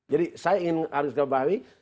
jadi saya ingin mengatakan bahwa